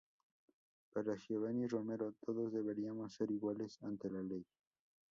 Para Giovanny Romero "todos deberíamos ser iguales ante la ley.